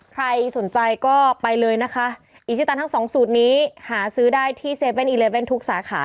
ใครสนใจก็ไปเลยนะคะอีชิตันทั้งสองสูตรนี้หาซื้อได้ที่เซเว่นอีเลเว่นทุกสาขา